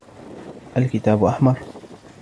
الكتاب أحمر.